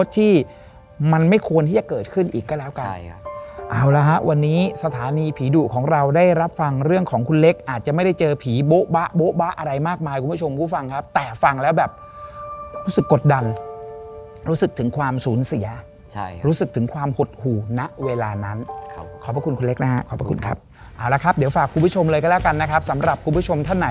ที่มันไม่ควรที่จะเกิดขึ้นอีกก็แล้วกันใช่ครับเอาละฮะวันนี้สถานีผีดุของเราได้รับฟังเรื่องของคุณเล็กอาจจะไม่ได้เจอผีโบ๊ะโบ๊ะอะไรมากมายคุณผู้ชมคุณผู้ฟังครับแต่ฟังแล้วแบบรู้สึกกดดันรู้สึกถึงความสูญเสียใช่ครับรู้สึกถึงความหดหู่ณเวลานั้นครับขอบคุณคุณเล็กนะฮะ